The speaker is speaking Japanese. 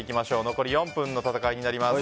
残り４分の戦いになります。